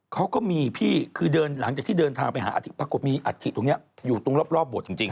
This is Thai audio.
เขาก็มีพี่คือเดินหลังจากที่เดินทางไปหาอาทิตปรากฏมีอัฐิตรงนี้อยู่ตรงรอบบทจริง